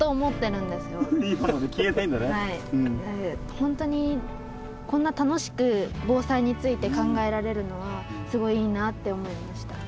本当にこんな楽しく防災について考えられるのはすごいいいなって思いました。